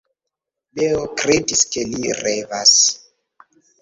Leo kredis, ke li revas.